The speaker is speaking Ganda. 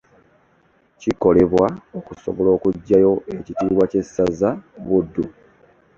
Kikolebwa okusobola okuggyayo ekitiibwa ky'essaza Buddu.